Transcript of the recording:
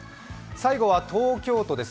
最後は東京都です。